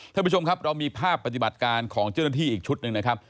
ท่านผู้ชมครับเรามีภาพปฏิบัติการของเจ้าหน้าที่อีกชุดหนึ่งนะครับ